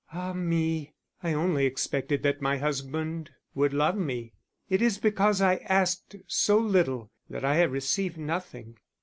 Ah me, I only expected that my husband would love me. It is because I asked so little that I have received nothing.